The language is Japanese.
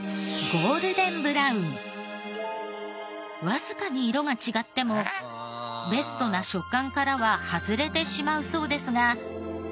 わずかに色が違ってもベストな食感からは外れてしまうそうですが。